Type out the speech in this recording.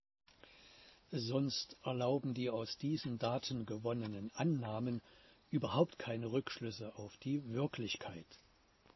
Sonst erlauben die aus diesen Daten gewonnenen Annahmen überhaupt keine Rückschlüsse auf die Wirklichkeit.